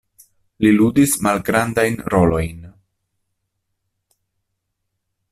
Li ludis malgrandajn rolojn.